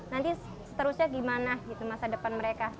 nanti seterusnya gimana gitu masa depan mereka